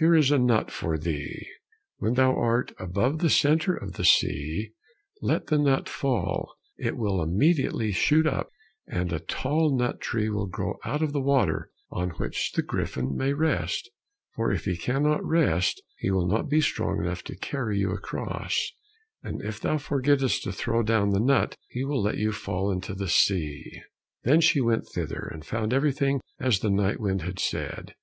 Here is a nut for thee, when thou are above the center of the sea, let the nut fall, it will immediately shoot up, and a tall nut tree will grow out of the water on which the griffin may rest; for if he cannot rest, he will not be strong enough to carry you across, and if thou forgettest to throw down the nut, he will let you fall into the sea." Then she went thither, and found everything as the night wind had said.